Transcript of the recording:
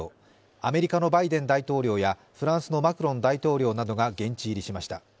アメリカのバイデン大統領やフランスのマクロン大統領などが現地入りしました。